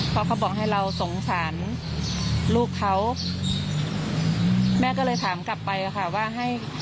เพราะเขาบอกให้เราสงสารลูกเขาแม่ก็เลยถามกลับไปค่ะว่าให้